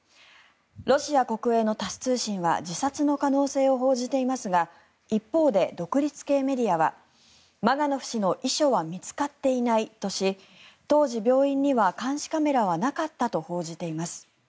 ロシア国営のタス通信は自殺の可能性を報じていますが一方で独立系メディアはマガノフ氏の遺書は見つかっていないとし当時、病院には監視カメラはなかったと報じています。